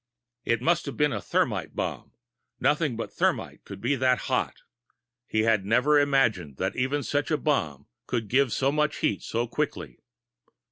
It must have been a thermite bomb nothing but thermite could be that hot. He had never imagined that even such a bomb could give so much heat so quickly.